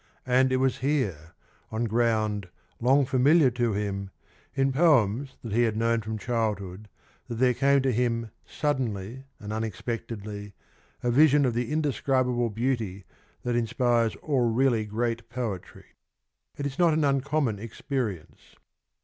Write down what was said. And it was here, on ground long familiar to him, in poems that he had known from childhood, that there came to him suddenly and unexpectedly a vision of the indescribable beauty that inspires all really great poetry. It is not an uncommon experience.